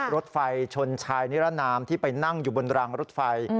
รถไฟชนชายนิรนามที่ไปนั่งอยู่บนรางรถไฟ